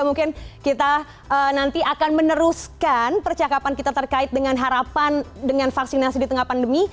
mungkin kita nanti akan meneruskan percakapan kita terkait dengan harapan dengan vaksinasi di tengah pandemi